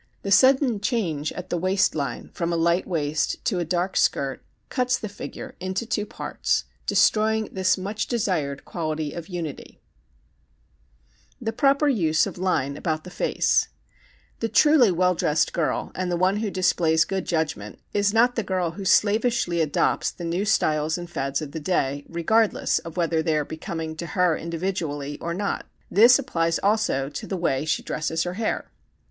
The sudden change at the waist line from a light waist to a dark skirt cuts the figure into two parts, destroying this much desired quality of unity. [Illustration: JUMPER DRESSES FOR THE VERY YOUNG HIGH SCHOOL GIRL] The Proper Use of Line About the Face The truly well dressed girl and the one who displays good judgment is not the girl who slavishly adopts the new styles and fads of the day regardless of whether they are becoming to her individually or not. This applies also to the way she dresses her hair.